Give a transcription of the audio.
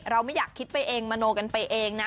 ไม่อยากคิดไปเองมโนกันไปเองนะ